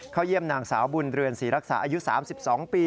เยี่ยมนางสาวบุญเรือนศรีรักษาอายุ๓๒ปี